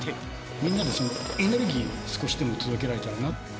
みんなにエネルギーを少しでも届けられたらな。